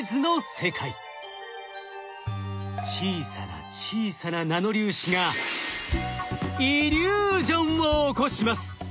小さな小さなナノ粒子がイリュージョンを起こします！